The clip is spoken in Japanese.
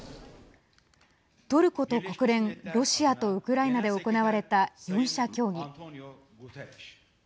トルコと国連ロシアとウクライナで行われた４者協議。